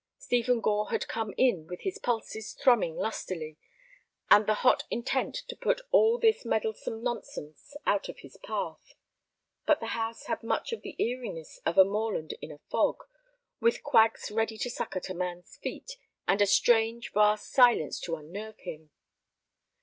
Stephen Gore had come in with his pulses thrumming lustily, and the hot intent to put all this meddlesome nonsense out of his path. But the house had much of the eeriness of a moorland in a fog, with quags ready to suck at a man's feet, and a strange, vast silence to unnerve him.